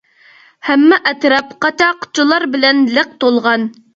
ھەممە ئەتراپ قاچا-قۇچىلار بىلەن لىق تولغان.